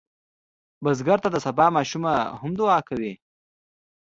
بزګر ته د سبا ماشومه هم دعا کوي